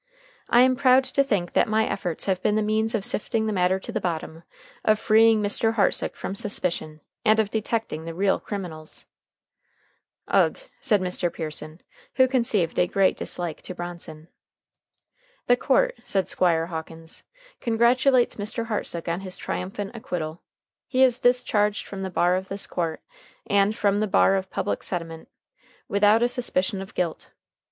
I am proud to think that my efforts have been the means of sifting the matter to the bottom, of freeing Mr. Hartsook from suspicion, and of detecting the real criminals." "Ugh!" said Mr. Pearson, who conceived a great dislike to Bronson. "The court," said Squire Hawkins, "congratulates Mr. Hartsook on his triumphant acquittal. He is discharged from the bar of this court, and from the bar of public sentiment, without a suspicion of guilt.